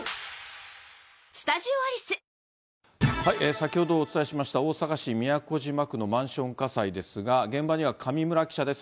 先ほどお伝えしました、大阪市都島区のマンション火災ですが、現場には上村記者です。